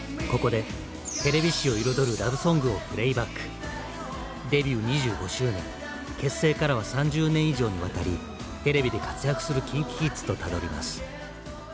ここでデビュー２５周年結成からは３０年以上にわたりテレビで活躍するＫｉｎＫｉＫｉｄｓとたどります。